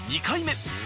２回目。